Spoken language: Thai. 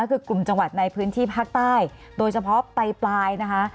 คือกลุ่มจังหวัดในพื้นที่ภาคใต้โดยเฉพาะปลายนะคะ